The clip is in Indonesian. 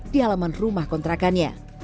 di halaman rumah kontrakannya